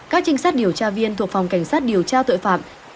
các trinh sát điều tra viên thuộc phòng cảnh sát điều tra tội phạm